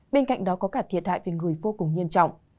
bên cạnh đó có cả thiệt hại về người vô cùng nghiêm trọng